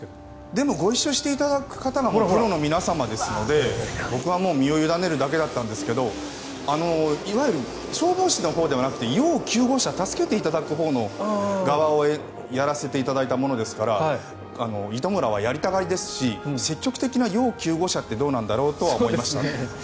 でもご一緒していただく方はプロの方々ですので僕は身を委ねるだけですがいわゆる消防士のほうではなく要救護者助けていただく側をやらせていただいたものですから糸村はやりたがりですし積極的な要救護者ってどうなんだろうと思いました。